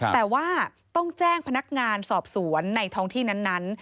แต่ว่าต้องแจ้งพนักงานสอบสวนในท้องที่นั้น